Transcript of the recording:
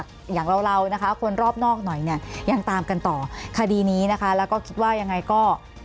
แบบเรารอบนอกหน่อยก็ยังตามกันต่อคดีนี้แล้วก็คิดว่ายังไงก็